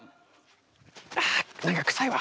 あ何か臭いわ。